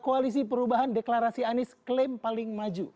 koalisi perubahan deklarasi anies klaim paling maju